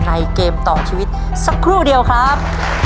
เกมต่อชีวิตสักครู่เดียวครับ